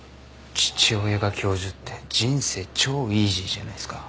父親が教授って人生超イージーじゃないですか。